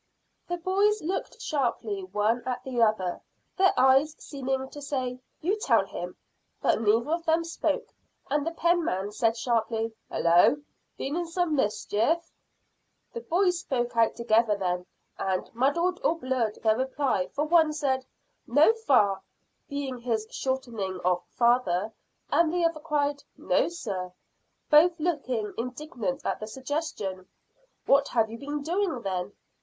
The boys looked sharply one at the other, their eyes seeming to say, "You tell him!" But neither of them spoke, and the penman said sharply "Hallo! Been in some mischief?" The boys spoke out together then, and muddled or blurred their reply, for one said, "No, fa," being his shortening of father, and the other cried, "No, sir," both looking indignant at the suggestion. "What have you been doing, then?"